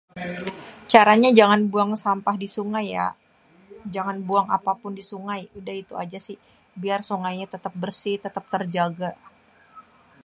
Caranya jangan buang sampah di sungai yak, jangan buang apapun di sungai. Udah itu aja sih, biar sungainya tetep bersih tetep terjaga.